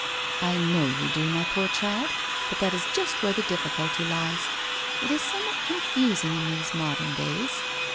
' I know you do, my poor child, but that is just where the difficulty lies. It is somewhat confusing in these modern days.